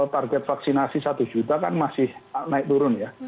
target vaksinasi satu juta kan masih naik turun ya